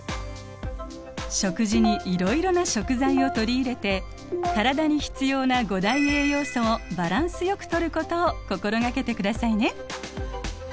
食事にいろいろな食材を取り入れて体に必要な五大栄養素をバランスよくとることを心掛けてくださいね。